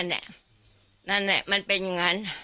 นั่นมันเป็นอย่างนั้น